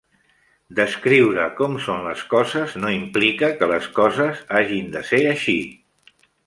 Descriure com són les coses no implica que les coses hagin de ser així.